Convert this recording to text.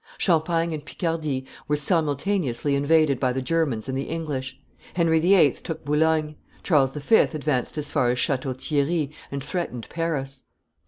Champagne and Picardy were simultaneously invaded by the Germans and the English; Henry VIII. took Boulogne; Charles V. advanced as far as Chateau Thierry and threatened Paris.